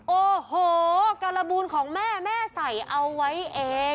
โอ้โหการบูลของแม่แม่ใส่เอาไว้เอง